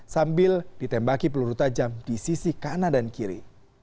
sambil ditembaki peluru tajam di sisi kanan dan kiri